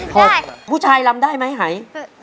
ใช่ผู้ชายลำได้ไหมหาย